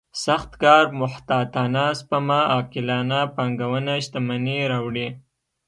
سخت کار محتاطانه سپما عاقلانه پانګونه شتمني راوړي.